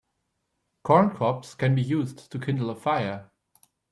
Corn cobs can be used to kindle a fire.